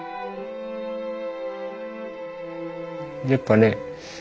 やっぱね